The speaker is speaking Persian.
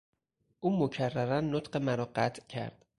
او مکررا نطق مرا قطع کرد.